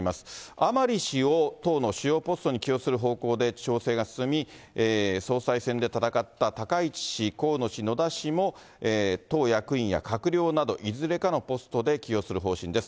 甘利氏を党の主要ポストに起用する方向で調整が進み、総裁選で闘った高市氏、河野氏、野田氏も、党役員や閣僚など、いずれかのポストで起用する方針です。